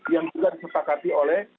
yang juga disepakati oleh